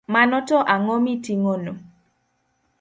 Mano to ang’o miting'ono?